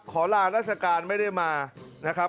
ลาราชการไม่ได้มานะครับ